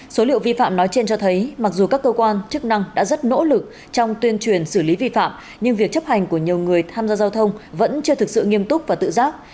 số liệu vi phạm nói trên cho thấy mặc dù các cơ quan chức năng đã rất nỗ lực trong tuyên truyền xử lý vi phạm nhưng việc chấp hành của nhiều người tham gia giao thông vẫn chưa thực sự nghiêm túc và tự giác